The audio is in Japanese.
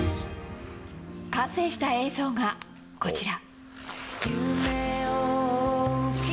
完成した映像がこちら。